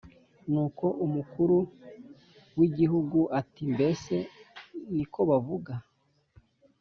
nuko umukuru w'igihugu ati "mbese ni uko bavuga?